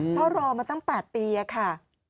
แล้วรอมาตั้ง๘ปีค่ะ